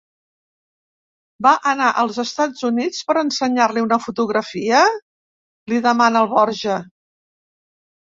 Va anar als Estats Units per ensenyar-li una fotografia? —li demana el Borja.